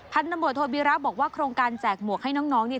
ตำรวจโทบิระบอกว่าโครงการแจกหมวกให้น้องเนี่ย